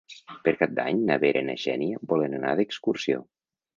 Per Cap d'Any na Vera i na Xènia volen anar d'excursió.